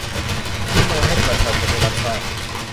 ที่มาให้ประชาชนได้รับทราบ